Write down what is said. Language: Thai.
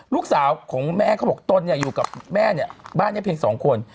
ลูกสาวของแม่เขาบอกตนเนี่ยอยู่กับแม่เนี่ยบ้านนี้เพียงสองคน